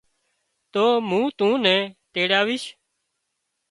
تو مُون تون نين تيڙاويش